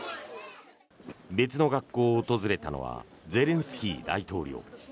別の学校を訪れたのはゼレンスキー大統領。